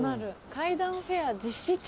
階段フェア実施中‼」。